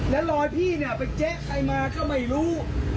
แล้วรอยพี่เนี่ยไปเจ๊ใครมาก็ไม่รู้